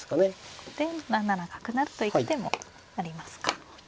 ここで７七角成と行く手もありますか。